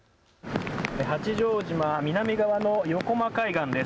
八丈島南側の横間海岸です。